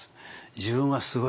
「自分はすごい！